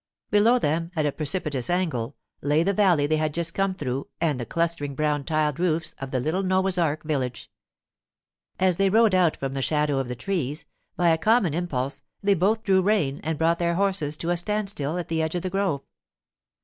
Below them, at a precipitous angle, lay the valley they had just come through and the clustering brown tiled roofs of the little Noah's Ark village. As they rode out from the shadow of the trees, by a common impulse they both drew rein and brought their horses to a standstill at the edge of the grove.